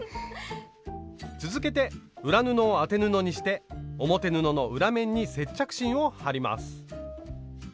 続けて裏布を当て布にして表布の裏面に接着芯を貼ります。